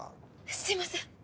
すいません。